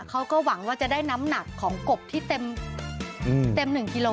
เขาก็หวังว่าจะได้น้ำหนักของกบที่เต็ม๑กิโล